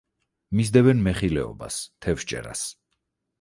მისდევენ მეხილეობას, თევზჭერას.